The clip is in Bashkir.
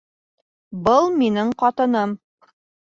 Был минең ҡатыным